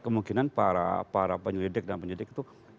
kemungkinan para penyelidik dan penyidik itu